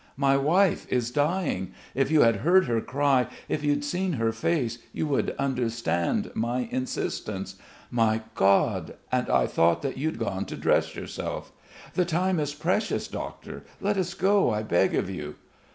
My wife is dying. If you had heard her cry, if you'd seen her face, you would understand my insistence! My God and I thought that you'd gone to dress yourself. The time is precious, Doctor! Let us go, I beg of you."